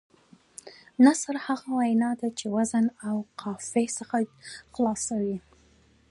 نثر هغه وینا ده، چي د وزن او قافيې څخه خلاصه وي.